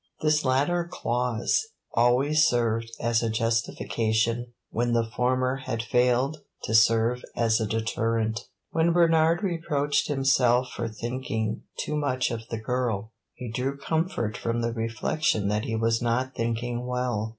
This latter clause always served as a justification when the former had failed to serve as a deterrent. When Bernard reproached himself for thinking too much of the girl, he drew comfort from the reflection that he was not thinking well.